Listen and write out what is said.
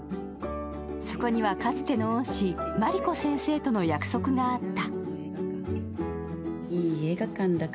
そこにはかつての恩師、茉莉子先生との約束があった。